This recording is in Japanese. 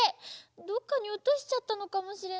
どっかにおとしちゃったのかもしれない。